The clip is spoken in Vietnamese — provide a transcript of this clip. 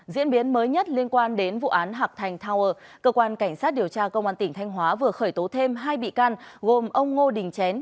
diễn biến mới nhất liên quan đến vụ án hạc thành tower cơ quan cảnh sát điều tra công an tỉnh thanh hóa vừa khởi tố thêm hai bị can gồm ông ngô đình chén